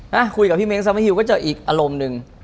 นะคุยกับพี่เม้งซัพฮิวก็เจออีกอารมณ์หนึ่ง